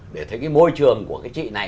để thấy cái môi trường của cái chị này